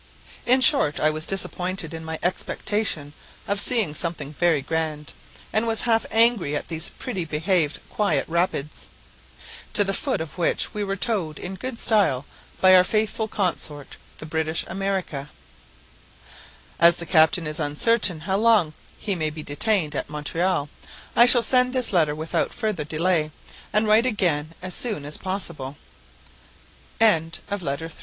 In short, I was disappointed in my expectation of seeing something very grand; and was half angry at these pretty behaved quiet rapids, to the foot of which we were towed in good style by our faithful consort the British America. As the captain is uncertain how long he may be detained at Montreal, I shall send this letter without further delay, and write again as soon as possible. LETTER IV. Landing at Montreal.